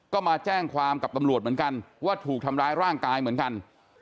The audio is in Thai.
ก็มาแจ้งความกับตำรวจเหมือนกันว่าถูกทำร้ายร่างกายเหมือนกัน